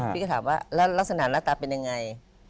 พี่ก็ถามว่าแล้วลักษณะหน้าตาเป็นยังไง